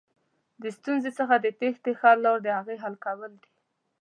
د ستونزې څخه د تېښتې ښه لاره دهغې حل کول دي.